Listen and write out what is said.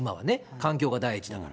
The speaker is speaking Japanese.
環境が第一だから。